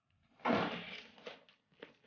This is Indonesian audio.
saya pernah ingin reluctant juga